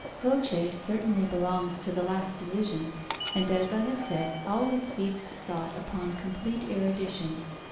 Croce certainly belongs to the last division, and, as I have said, always feeds his thought upon complete erudition.